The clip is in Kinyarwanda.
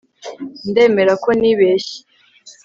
ndemera ko nibeshye